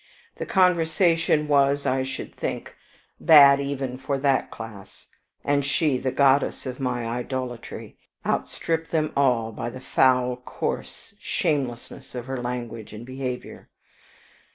The conversation was, I should think, bad even for that class; and she, the goddess of my idolatry, outstripped them all by the foul, coarse shamelessness of her language and behavior.